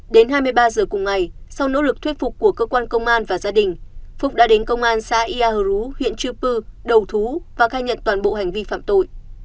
đến hai mươi ba giờ cùng ngày sau nỗ lực thuyết phục của cơ quan công an và gia đình phúc đã đến công an xã ia hờ rú huyện chư pư đầu thú và khai nhận toàn bộ hành vi phạm tội